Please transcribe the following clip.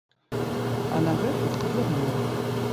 А на гэту зірнуў.